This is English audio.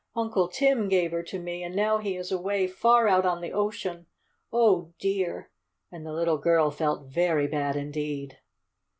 Uncle Tim gave her to me, and now he is away far out on the ocean! Oh, dear!" and the little girl felt very bad indeed.